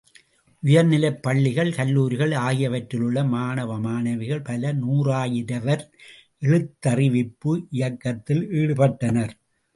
உயர் நிலைப்பள்ளிகள், கல்லூரிகள் ஆகியவற்றிலுள்ள மாணவ மாணவிகள் பல நூறாயிரவர் எழுத்திதறிவிப்பு இயக்கத்தில் ஈடுபட்டனர்.